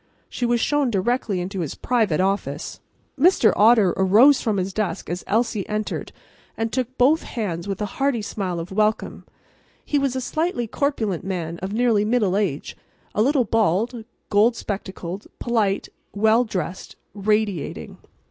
She was shown directly into his private office. Mr. Otter arose from his desk as Elsie entered and took both hands with a hearty smile of welcome. He was a slightly corpulent man of nearly middle age, a little bald, gold spectacled, polite, well dressed, radiating.